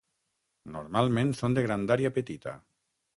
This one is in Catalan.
Normalment són de grandària petita.